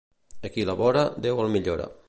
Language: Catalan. A qui labora, Déu el millora.